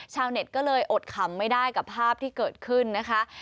ชาวเน็ตก็เลยอดขำไม่ได้กับภาพที่เกิดขึ้นนะคะ